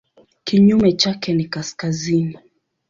Kinyume chake ni kaskazini.